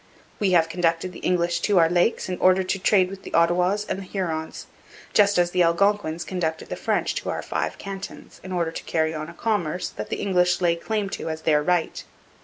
We have conducted the English to our lakes in order to trade with the Ottawas and the Hurons; just as the Algonquins. conducted the French to our five cantons, in order to carry on a commerce that the English lay claim to as their right.